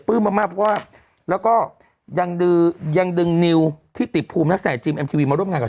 รู้ว่ากินเป็นยังไง